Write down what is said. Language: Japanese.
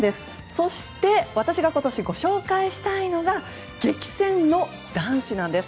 そして私が今年ご紹介したいのが激戦の男子なんです。